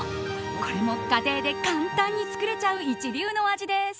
これも家庭で簡単に作れちゃう一流の味です。